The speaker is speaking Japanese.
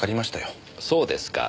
そうですか。